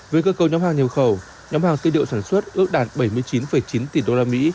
về cơ cầu nhóm hàng nhập khẩu nhóm hàng tư điệu sản xuất ước đạt bảy mươi chín chín tỷ usd